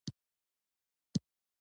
آیا وچکالي اقتصاد خرابوي؟